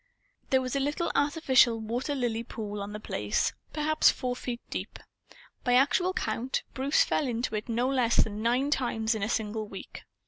There was a little artificial water lily pool on The Place, perhaps four feet deep. By actual count, Bruce fell into it no less than nine times in a single week.